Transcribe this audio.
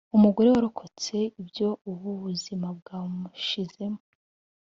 umugore warokotse ibyo ubu buzima bwamushizemo.